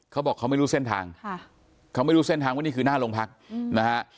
เขาบอกเขาไม่รู้เส้นทางเขาไม่รู้เส้นทางว่านี่คือหน้าโรงพักนะฮะ